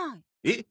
えっ？